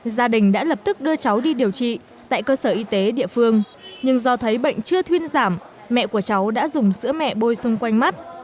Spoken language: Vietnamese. gia đình đã lập tức đưa cháu đi điều trị tại cơ sở y tế địa phương nhưng do thấy bệnh chưa thuyên giảm mẹ của cháu đã dùng sữa mẹ bôi xung quanh mắt